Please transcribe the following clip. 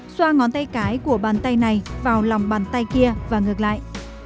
xoa ngón tay cái của bàn tay này vào lòng bàn tay kia và ngược lại